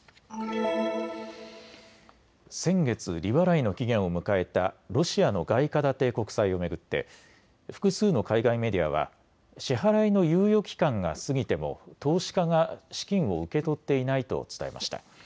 先月、利払いの期限を迎えたロシアの外貨建て国債を巡って複数の海外メディアは支払いの猶予期間が過ぎても投資家が資金を受け取っていないと伝えました。